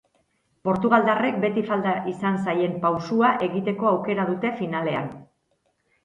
Portugaldarrek beti falta izan zaien pausua egiteko aukera dute finalean.